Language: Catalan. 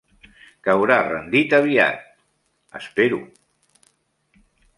Caurà rendit aviat, espero...